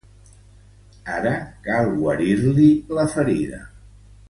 Ara cal guarir-li la ferida.